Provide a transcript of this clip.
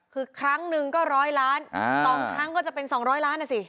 คือครั้งหนึ่งก็๑๐๐ล้าน๒ครั้งก็จะเป็น๒๐๐ล้านนะสิ